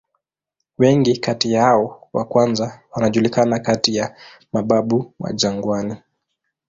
Wengi kati ya hao wa kwanza wanajulikana kati ya "mababu wa jangwani".